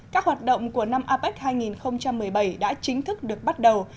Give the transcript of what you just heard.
các hoạt động của năm apec hai nghìn một mươi bảy đã chính thức được bắt đầu